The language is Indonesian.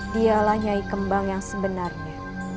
dialah nyai kembang yang sebenarnya